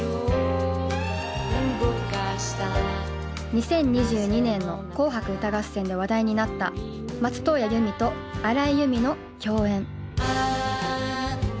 ２０２２年の「紅白歌合戦」で話題になった松任谷由実と荒井由実の共演。